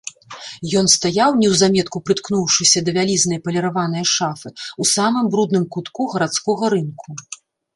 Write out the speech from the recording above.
Ён стаяў, неўзаметку прыткнуўшыся да вялізнае паліраванае шафы, у самым брудным кутку гарадскога рынку.